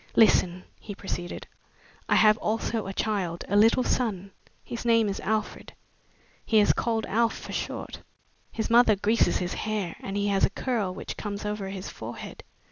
"Listen," he proceeded. "I have also a child a little son. His name is Alfred. He is called Alf, for short. His mother greases his hair and he has a curl which comes over his forehead.